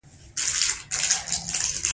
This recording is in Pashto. یوه ورځ بیشپ پیره داران مېلمانه کړل.